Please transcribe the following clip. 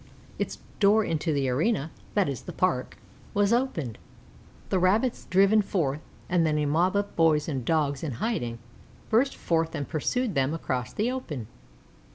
Its door into the arena that is, the Park was opened, the Rabbits driven forth, and then a mob of boys and Dogs in hiding, burst forth and pursued them across the open.